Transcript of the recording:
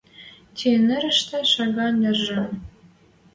Ти нырышты шаган нержӹм